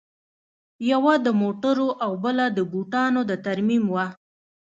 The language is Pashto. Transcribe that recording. یوه د موټرو او بله د بوټانو د ترمیم وه